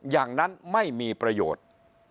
อย่างนั้นไม่มีประโยชน์